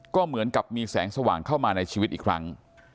ก็เหมือนกับมีแสงสว่างเข้ามาในชีวิตอีกครั้ง